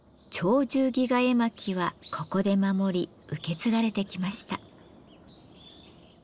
絵巻はここで守り受け継がれてきました。